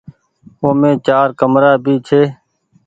اومي چآر ڪمرآ ڀي ڇي۔